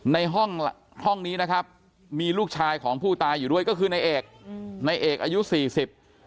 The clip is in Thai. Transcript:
ในห้องห้องนี้นะครับมีลูกชายของผู้ตายอยู่ด้วยก็คือในเอกอืมในเอกอายุสี่สิบ